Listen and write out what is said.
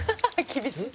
厳しい。